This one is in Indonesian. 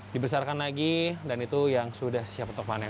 dibesarkan lagi dan itu yang sudah siap untuk panen